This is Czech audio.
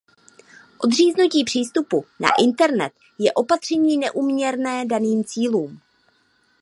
Odříznutí přístupu na Internet je opatření neúměrné daným cílům.